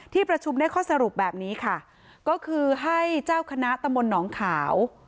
ประชุมได้ข้อสรุปแบบนี้ค่ะก็คือให้เจ้าคณะตำบลหนองขาว